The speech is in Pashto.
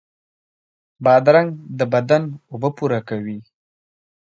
بادرنګ د بدن اوبه پوره کوي.